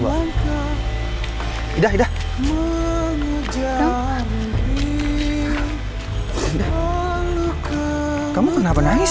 buat ngutang berat